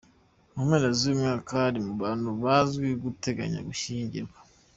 Mu mpera z’uyu mwaka ari mu bantu bazwi bateganya gushyingirwa.